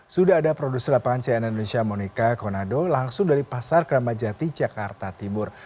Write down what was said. sudah ada produser lapangan cnn indonesia monika konado langsung dari pasar kramajati jakarta timur